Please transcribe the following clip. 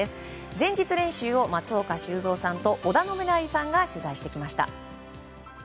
前日練習を松岡修造さんと織田信成さんが取材してきました。